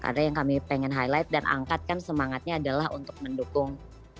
karena yang kami pengen highlight dan angkatkan semangatnya adalah untuk mendukung